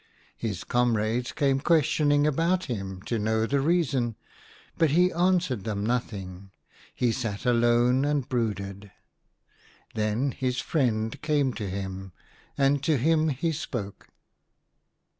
His comrades came questioning about .him to know the reason, but he answered them nothing ; he sat alone and brooded. Then his friend came to him, and to him he spoke.